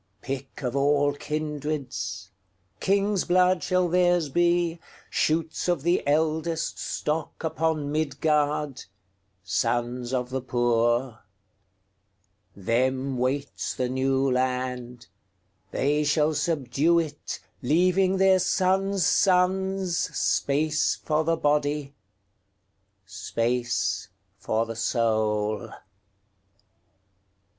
Pick of all kindreds, King's blood shall theirs be, Shoots of the eldestStock upon Midgard, Sons of the poor. Them waits the New Land; They shall subdue it, Leaving their sons' sonsSpace for the body, Space for the soul.